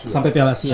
sampai piala asia